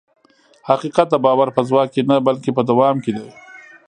حقیقت د باور په ځواک کې نه، بلکې په دوام کې دی.